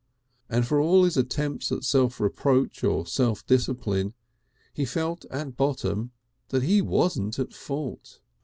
And for all his attempts at self reproach or self discipline he felt at bottom that he wasn't at fault.